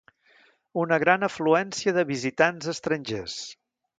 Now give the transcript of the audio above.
Una gran afluència de visitants estrangers.